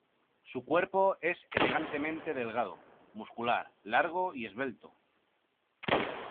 Su cuerpo es elegantemente delgado, muscular, largo y esbelto.